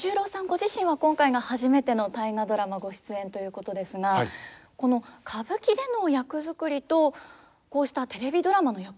ご自身は今回が初めての「大河ドラマ」ご出演ということですがこの歌舞伎での役作りとこうしたテレビドラマの役作りというのは結構違うものなんですか？